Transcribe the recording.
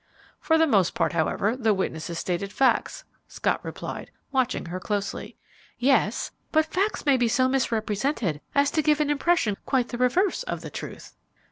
"For the most part, however, the witnesses stated facts," Scott replied, watching her closely. "Yes; but facts may be so misrepresented as to give an impression quite the reverse of the truth."